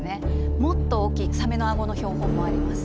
もっと大きいサメの顎の標本もあります。